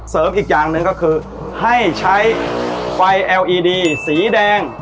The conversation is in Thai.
อีกอย่างหนึ่งก็คือให้ใช้ไฟเอลอีดีสีแดง